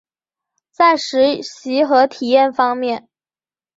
在实习和体验方面